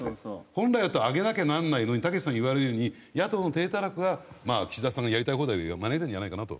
本来だと上げなきゃならないのにたけしさんが言われるように野党の体たらくが岸田さんのやりたい放題を招いたんじゃないかなと。